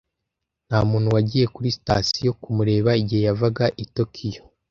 Nta muntu wagiye kuri sitasiyo kumureba igihe yavaga i Tokiyo.